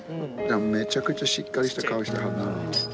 めちゃくちゃしっかりした顔してはるなあ。